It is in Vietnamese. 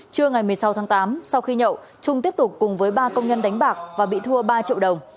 trưa ngày một mươi sáu tháng tám sau khi nhậu trung tiếp tục cùng với ba công nhân đánh bạc và bị thua ba triệu đồng